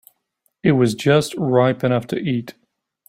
It was just ripe enough to eat.